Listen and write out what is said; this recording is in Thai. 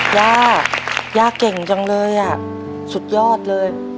ย่าย่าเก่งจังเลยอ่ะสุดยอดเลย